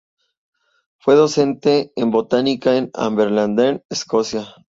Fue docente en Botánica en Aberdeen, Escocia.